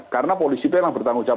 karena polisi itu yang bertanggung jawab